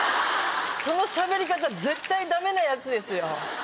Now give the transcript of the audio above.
その喋り方絶対ダメなやつですよ。